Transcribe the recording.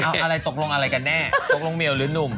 อะไรตกลงอะไรกันแน่ตกลงเมลหรือหนุ่ม